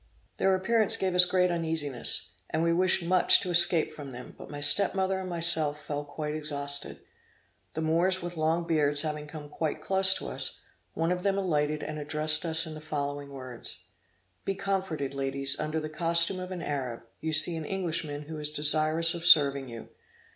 Their appearance gave us great uneasiness, and we wished much to escape from them, but my step mother and myself fell quite exhausted. The Moors with long beards having come quite close to us, one of them alighted and addressed us in the following words. "Be comforted, ladies; under the costume of an Arab, you see an Englishman who is desirous of serving you.